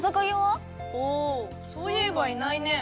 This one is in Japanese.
あそういえばいないね。